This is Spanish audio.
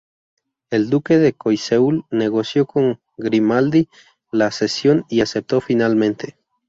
El duque de Choiseul negoció con Grimaldi la cesión y aceptó finalmente.